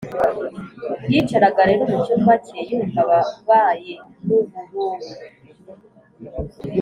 yicaraga rero mucyumba cye yumva ababaye n'ubururu